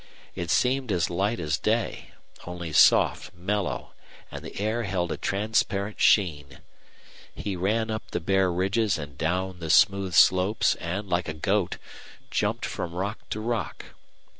It seemed as light as day, only soft, mellow, and the air held a transparent sheen. He ran up the bare ridges and down the smooth slopes, and, like a goat, jumped from rock to rock.